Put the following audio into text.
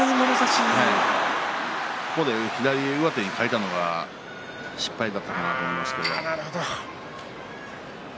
ここで左上手に変えたのが失敗だったかなと思います。